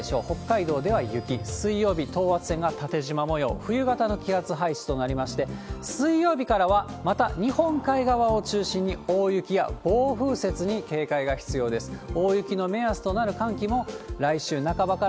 北海道では雪、水曜日、等圧線が縦じま模様、冬型の気圧配置となりまして、水曜日からはまた日本海側を中心に大雪や暴風雪に警戒が必要です。